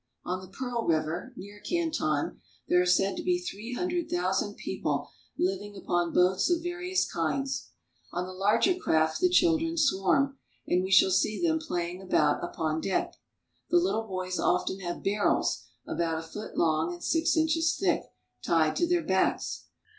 On the Pearl River, near Canton, there are said to be three hundred thousand people living upon boats of various kinds. On the larger craft the children swarm, and we shall see them playing about upon deck. The little boys often have barrels, about a foot long and six inches thick, tied to their backs.